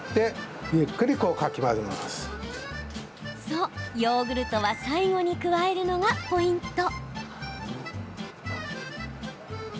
そう、ヨーグルトは最後に加えるのがポイント。